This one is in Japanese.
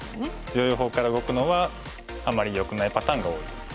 強い方から動くのはあんまりよくないパターンが多いです。